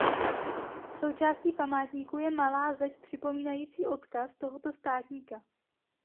Součástí památníku je malá zeď připomínající odkaz tohoto státníka.